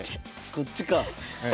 こっちか。